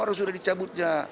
harus sudah dicabutnya